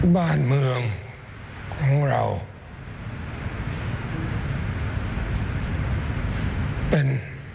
บ้านเมืองของเราเป็น